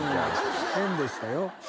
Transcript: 変でしたよ。